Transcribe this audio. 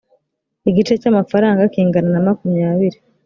igice cy amafaranga kingana na makumyabiri